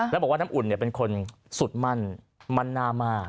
แล้วบอกว่าน้ำอุ่นเป็นคนสุดมั่นหน้ามาก